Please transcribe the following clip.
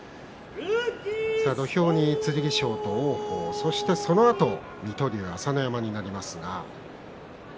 土俵に剣翔と王鵬そのあと水戸龍、朝乃山になります。